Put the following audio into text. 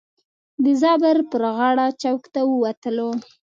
د زابر پر غاړه چوک ته ووتلو.